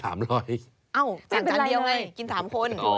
เอ้าสั่งจานเดียวไงกิน๓คน